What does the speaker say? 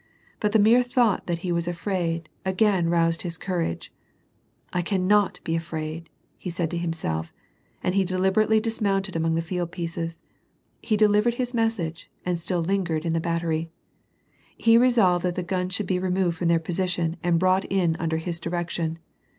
But the mere thought that he was afraid, again roused his courage. " I can not be afraid," he said to himself, and he deliberately dis mounted amq§g the field pieces. He delivered his message and still lingered in the battery. He resolved that the guns should be removed from their position and brought in under his direction.